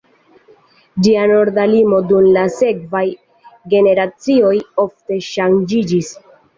Ĝia norda limo dum la sekvaj generacioj ofte ŝanĝiĝis.